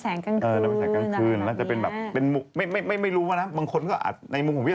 เออที่เขาถ่ายเป็นติดติดมาคนน่าจะเป็นตรงนี้